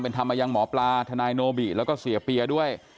เป็นธรรมมายังหมอปลาทนายโนบิแล้วก็เสียเปียด้วย